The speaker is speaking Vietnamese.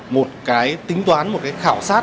một cái tính toán một cái khảo sát